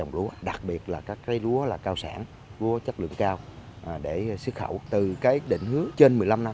ngược lại sau mỗi vụ lúa đất được cải tạo môi trường thuận lợi